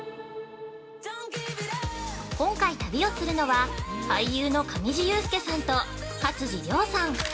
今回、旅をするのは俳優の上地雄輔さんと勝地涼さん。